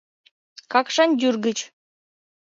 Какшандӱр гыч.